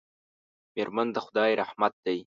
میرمن د خدای رحمت دی.